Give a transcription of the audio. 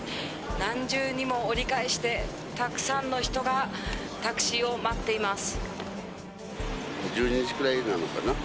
何重にも折り返してたくさんの人がタクシーを待っています。